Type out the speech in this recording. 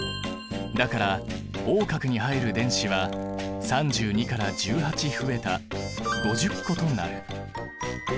だからＯ殻に入る電子は３２から１８増えた５０個となる。